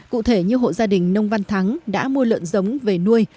cụ thể như hộ gia đình nông văn thắng đã mua lợn giống về nuôi